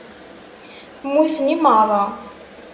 Muten i meṛṛa.